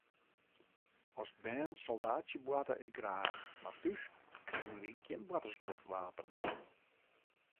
As bern soldaatsjeboarte ik graach, mar thús krigen wy gjin boartersguodwapens.